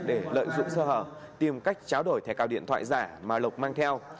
để lợi dụng sơ hở tìm cách tráo đổi thẻ cao điện thoại giả mà lộc mang theo